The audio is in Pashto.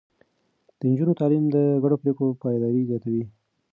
د نجونو تعليم د ګډو پرېکړو پايداري زياتوي.